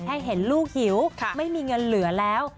เห็นลูกหิวไม่มีเงินเหลือแล้ว